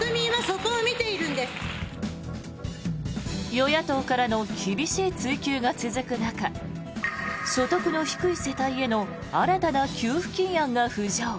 与野党からの厳しい追及が続く中所得の低い世帯への新たな給付金案が浮上。